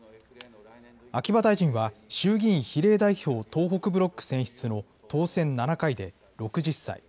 秋葉大臣は衆議院比例代表東北ブロック選出の当選７回で６０歳。